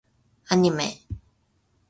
アニメ